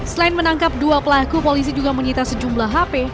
selain menangkap dua pelaku polisi juga menyita sejumlah hp